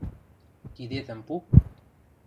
Кидетӹм пу!